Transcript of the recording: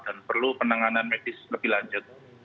dan perlu penanganan medis lebih lanjut